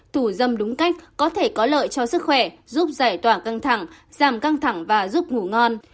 thủ dâm đúng cách có thể có lợi cho sức khỏe giúp giải tỏa căng thẳng giảm căng thẳng và giúp ngủ ngon